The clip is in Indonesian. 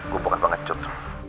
gue bukan banget cut